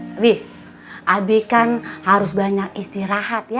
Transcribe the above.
tapi abi kan harus banyak istirahat ya